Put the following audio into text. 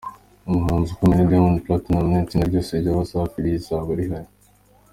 Umuhanzi ukomeye ni Diamond Platnumz n’itsinda ryose rya Waasafi rizaba rihari…”.